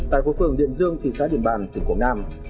tại khu phường điện dương phía xã điện bàn tỉnh quảng nam